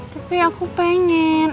tapi aku pengen